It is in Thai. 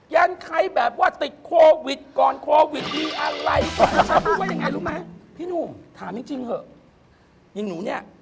ยิงหนูนี่